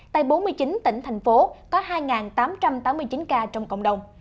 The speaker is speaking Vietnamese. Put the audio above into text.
tại bốn mươi chín tỉnh thành phố có hai tám trăm tám mươi chín ca trong cộng đồng